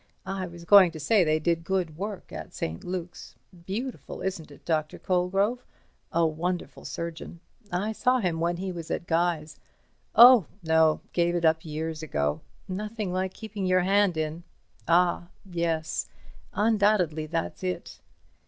I was going to say they did good work at St. Luke's. Beautiful, isn't it, Dr. Colegrove? A wonderful surgeon—I saw him when he was at Guy's. Oh, no, gave it up years ago. Nothing like keeping your hand in. Ah—yes, undoubtedly that's it.